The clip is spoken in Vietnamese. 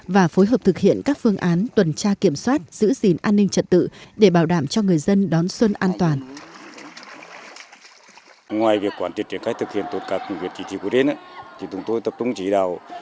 và phối hợp thực hiện các phương án tuần tra kiểm soát giữ gìn an ninh trận tự